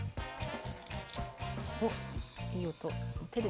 おっいい音。